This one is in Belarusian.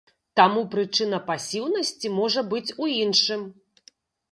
Таму прычына пасіўнасці можа быць у іншым.